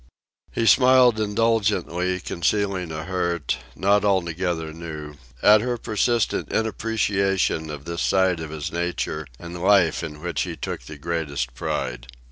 He smiled indulgently, concealing a hurt, not altogether new, at her persistent inappreciation of this side of his nature and life in which he took the greatest pride.